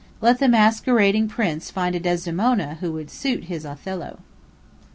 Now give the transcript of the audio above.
Let the masquerading prince find a Desdemona who would suit his Othello!